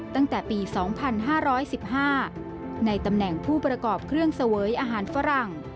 ตั้งแต่ปี๒๕๑๕ในตำแหน่งผู้ประกอบเครื่องเสวยอาหารฝรั่ง